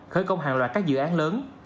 khơi công hàng loạt các dự án lớn